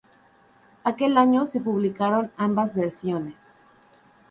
Aquel año se publicaron ambas versiones.